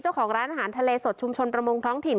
เจ้าของร้านอาหารทะเลสดชุมชนประมงท้องถิ่น